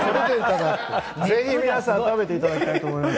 ぜひ皆さんに食べていただきたいと思います。